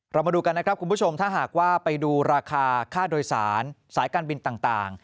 มาดูกันนะครับคุณผู้ชมถ้าหากว่าไปดูราคาค่าโดยสารสายการบินต่าง